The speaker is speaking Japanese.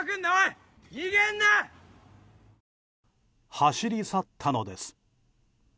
走り去ったのです。